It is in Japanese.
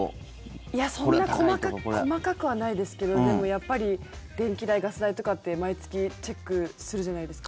いやそんな細かくはないですけどやっぱり電気代、ガス代とかって毎月チェックするじゃないですか。